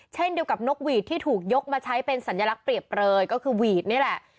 เช่นเดียวกับนกหวีดที่ถูกยกมาใช้เป็นสัญลักษณ์เปรียบเปลยก็คือหวีดนี่แหละ